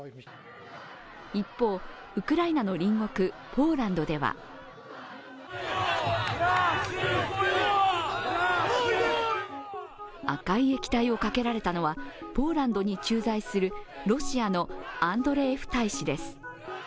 一方、ウクライナの隣国ポーランドでは赤い液体をかけられたのはポーランドに駐在するロシアのアンドレエフ大使です。